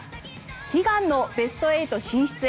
悲願のベスト８進出へ。